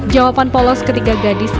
jawaban polos ketiga gadisnya